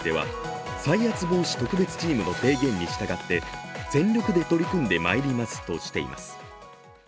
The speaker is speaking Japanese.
また、被害者救済については、再発防止特別チームの提言に従って全力で取り組んでまいりますとしています。